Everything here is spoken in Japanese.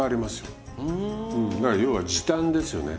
だから要は時短ですよね。